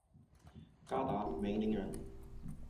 嘎达梅林人。